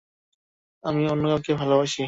আমি অন্য কাউকে ভালোবাসি।